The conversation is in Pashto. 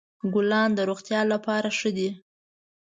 ګلان د روغتیا لپاره ښه دي.